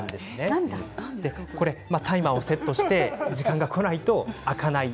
タイマーをセットして時間がこないと開かない。